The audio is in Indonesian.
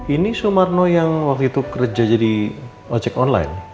ini sumarno yang waktu itu kerja jadi ojek online